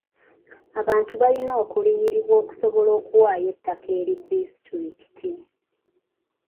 Abantu balina okuliyirirwa okusobola okuwaayo ettaka eri disitulikiti.